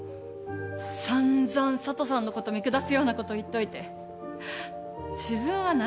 散々佐都さんのこと見下すようなこと言っといて自分は何？